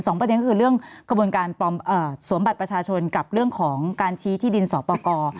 ประเด็นก็คือเรื่องกระบวนการสวมบัตรประชาชนกับเรื่องของการชี้ที่ดินสอปกร